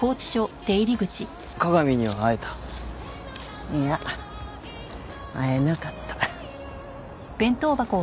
加賀美には会えた？いや会えなかった。